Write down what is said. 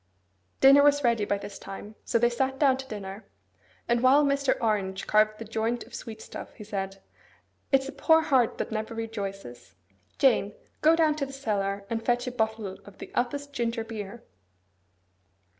Dinner was ready by this time: so they sat down to dinner; and while Mr. Orange carved the joint of sweet stuff, he said, 'It's a poor heart that never rejoices. Jane, go down to the cellar, and fetch a bottle of the Upest ginger beer.